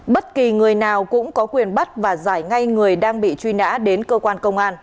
bất kỳ người nào cũng có quyền bắt và giải ngay người đang bị truy nã đến cơ quan công an